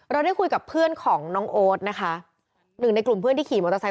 ได้คุยกับเพื่อนของน้องโอ๊ตนะคะหนึ่งในกลุ่มเพื่อนที่ขี่มอเตอร์ไซค